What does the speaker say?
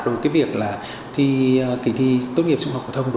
đối với việc kỳ thi tốt nghiệp trung học phổ thông